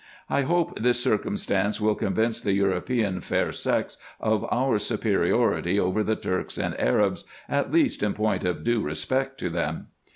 I hope this circumstance will convince the European fair sex of our superiority over the Turks and Arabs, at least in point of due respect to them.